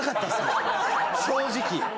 正直。